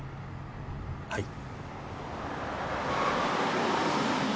はい。